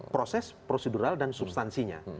proses prosedural dan substansinya